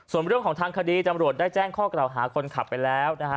ส่วนเรื่องของทางคดีจำรวจได้แจ้งข้อกล่าวหาคนขับไปแล้วนะฮะ